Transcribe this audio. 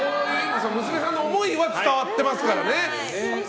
娘さんの思いは伝わってますからね。